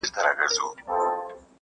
هغه د پېښې حقيقت غواړي ډېر,